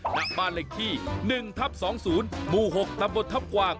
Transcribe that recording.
หน้าบ้านเลขที่๑ทับ๒๐หมู่๖ตำบลทัพกวาง